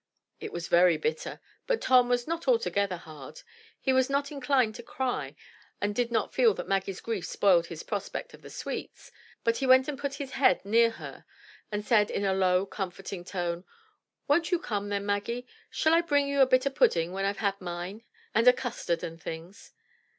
It was very bitter. But Tom was not altogether hard; he was not inclined to cry and did not feel that Maggie's grief spoiled his prospect of the sweets; but he went and put his head near her and said in a lower comforting tone, — "Won't you come then Maggie? Shall I bring you a bito' pudding when I've had mine, and a custard and things?"